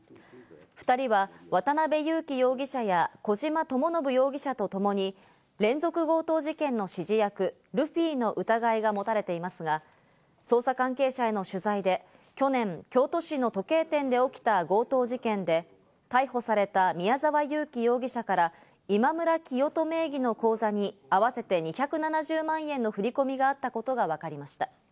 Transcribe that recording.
２人は渡辺優樹容疑者や小島智信容疑者とともに連続強盗事件の指示役ルフィの疑いが持たれていますが、捜査関係者への取材で、去年、京都市の時計店で起きた強盗事件で逮捕された宮沢優樹容疑者から「イマムラキヨト」名義の口座に合わせて２７０万円の振り込みがあったことがわかりました。